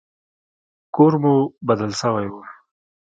کور مو بدل سوى و.